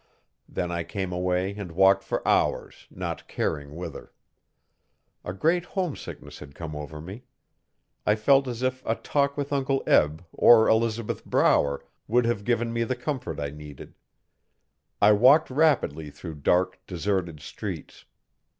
Then I came away and walked for hours, not caring whither. A great homesickness had come over me. I felt as if a talk with Uncle Eb or Elizabeth Brower would have given me the comfort I needed. I walked rapidly through dark, deserted streets.